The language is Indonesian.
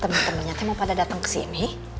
temen temennya mau pada dateng kesini